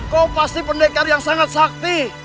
kau pasti pendekar yang sangat sakti